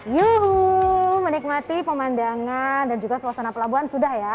yuhuu menikmati pemandangan dan juga suasana pelabuhan sudah ya